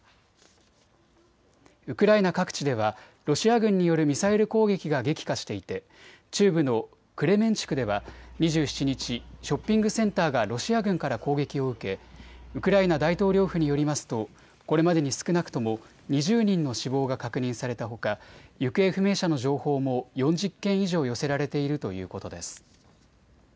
ウクライナ各地ではロシア軍によるミサイル攻撃が激化していて中部のクレメンチュクでは２７日、ショッピングセンターがロシア軍から攻撃を受け、ウクライナ大統領府によりますとこれまでに少なくとも２０人の死亡が確認されたほか行方不明者の情報も４０件以上寄せられているということです。